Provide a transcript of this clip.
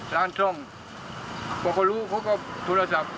ร้านซ่อมพอเขารู้เขาก็โทรศัพท์